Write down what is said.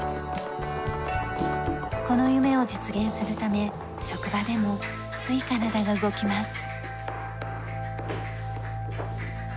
この夢を実現するため職場でもつい体が動きます。